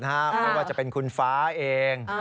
ไม่ว่าจะเป็นคุณฟ้าเอง